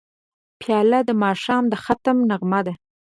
پیاله د ماښام د ختم نغمه ده.